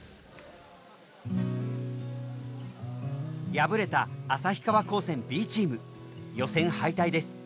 敗れた旭川高専Ｂチーム予選敗退です。